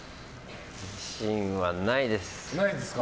自信はないです。